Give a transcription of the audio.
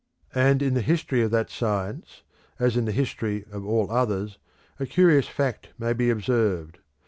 And in the history of that science, as in the history of all others, a curious fact may be observed.